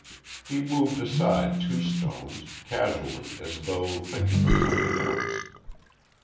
He moved aside two stones, casually as though thinking of something else.